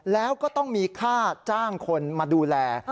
แล้วก็ต้องมีค่าจ้างคนมาดูแล